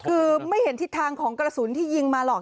คือไม่เห็นทิศทางของกระสุนที่ยิงมาหรอก